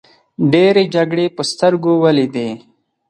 ډیرې جګړې په سترګو ولیدې.